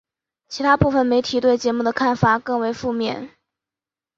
其它部分媒体对节目的看法更为负面。